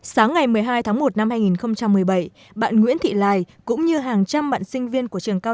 sáng ngày một mươi hai tháng một năm hai nghìn một mươi bảy bạn nguyễn thị lai cũng như hàng trăm bạn sinh viên của trường hà nội